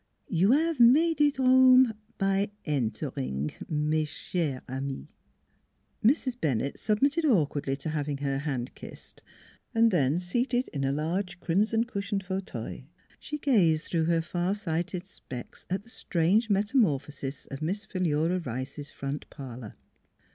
You have made it 'ome by entering, mes chere amis." Mrs. Bennett submitted awkwardly to having her hand kissed; then, seated in a large crimson cushioned fauteuil, she gazed through her far sighted specs at the strange metamorphosis of Miss Philura Rice's front parlor.